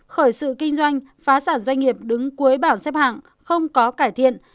khởi sự kinh doanh phá sản doanh nghiệp đứng cuối bảng xếp hạng không có cải thiện